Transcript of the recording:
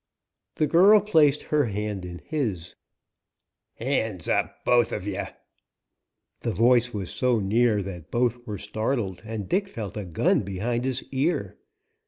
The girl placed her hand in his. "Hands up! both of ye!" The voice was so near that both were startled, and Dick felt a gun behind his ear.